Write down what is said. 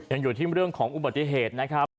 ยังอยู่ที่เรื่องของอุบัติเหตุนะครับ